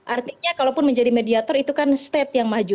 artinya kalaupun menjadi mediator itu kan state yang maju